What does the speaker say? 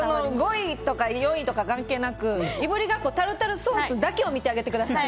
５位とか４位とか関係なくいぶりがっこのタルタルソースだけを見てあげてください。